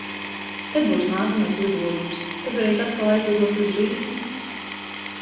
Kad būs nākamais lidojums? Kad varēs atkal aizlidot uz Rīgu?